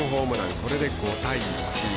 これで５対１。